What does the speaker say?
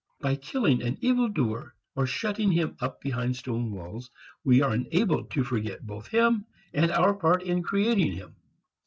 By killing an evil doer or shutting him up behind stone walls, we are enabled to forget both him and our part in creating him.